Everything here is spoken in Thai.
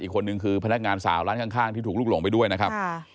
อีกคนนึงคือพนักงานสาวร้านข้างที่ถูกลุกหลงไปด้วยนะครับ